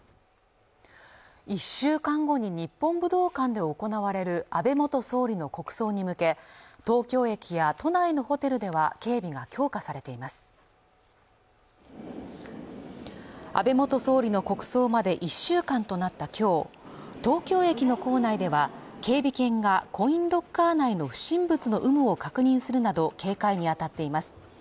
１週間後に日本武道館で行われる安倍元総理の国葬に向け東京駅や都内のホテルでは警備が強化されています安倍元総理の国葬まで１週間となったきょう東京駅の構内では警備犬がコインロッカー内の不審物の有無を確認するなど警戒にあたっています